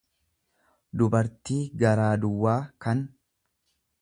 dubartii garaa duwwaa, kan